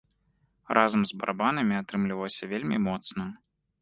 Разам з барабанамі атрымлівалася вельмі моцна.